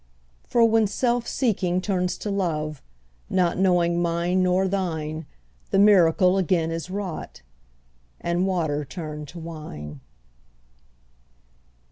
For when self seeking turns to love, Not knowing mine nor thine, The miracle again is wrought, And water turned to wine.